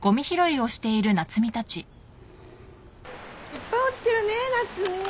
いっぱい落ちてるね夏海。